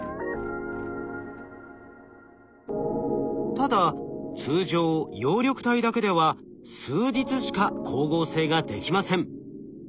ただ通常葉緑体だけでは数日しか光合成ができません。